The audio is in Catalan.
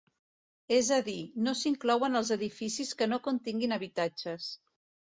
És a dir, no s'inclouen els edificis que no continguin habitatges.